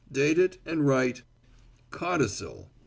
"Date it and write: Codicil.